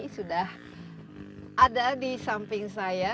sudah ada di samping saya